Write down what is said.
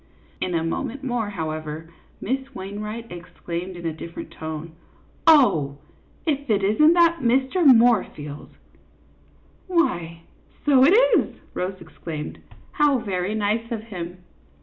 In a moment more, however, Miss Wainwright exclaimed, in a different tone, " Oh, if it is n't that Mr. Moorfield !"" Why, so it is," Rose exclaimed. " How very nice of him!